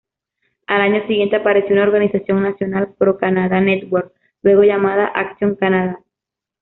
Al año siguiente apareció una organización nacional, Pro-Canadá Network, luego llamada Action Canada.